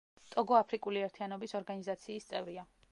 ტოგო აფრიკული ერთიანობის ორგანიზაციის წევრია.